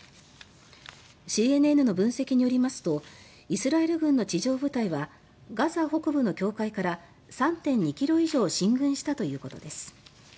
ＣＮＮの分析によりますとイスラエル軍の地上部隊はガザ北部の境界から３．２ｋｍ以上進軍したということです。